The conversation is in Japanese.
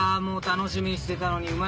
もう楽しみにしてたのに。